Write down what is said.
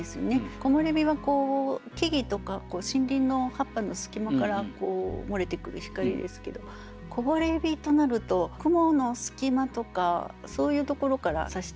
「木漏れ日」は木々とか森林の葉っぱのすき間から漏れてくる光ですけど「こぼれ日」となると雲のすき間とかそういうところから射してくる。